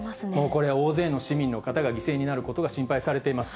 これ、大勢の市民の方が犠牲になることが心配されています。